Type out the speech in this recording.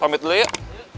pamit dulu yuk